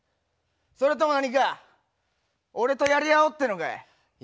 それとも何か俺とやり合おうってのかい。